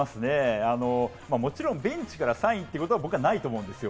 もちろんベンチからサインということは僕はないと思うんです。